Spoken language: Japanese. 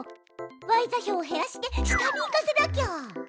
ｙ座標を減らして下に行かせなきゃ。